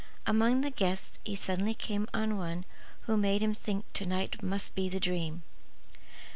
Among the guests he suddenly came on one who made him think to night must be the dream.